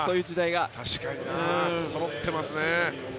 確かにな。そろってますね。